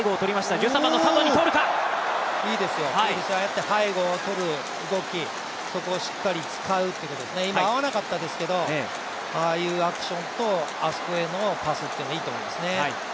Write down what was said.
いいですよ、ああいって背後を取る動き、そこをしっかり使うということですね、今、合わなかったんですけど、ああいうアクションと、あそこへのパスというのはいいと思いますね。